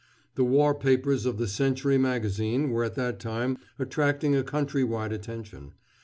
The war papers of the Century Magazine were at that time attracting a country wide attention.